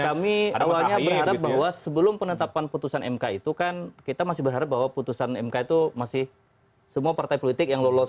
kami awalnya berharap bahwa sebelum penetapan putusan mk itu kan kita masih berharap bahwa putusan mk itu masih semua partai politik yang lolos